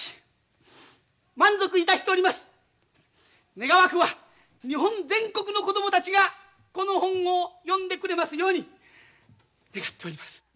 願わくば日本全国の子供たちがこの本を読んでくれますように願っております。